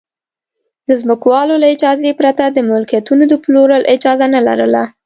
د ځمکوالو له اجازې پرته د ملکیتونو د پلور اجازه نه لرله